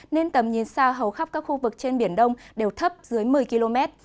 nên tầm nhìn xa hầu khắp các khu vực trên biển đông đều thấp dưới một mươi km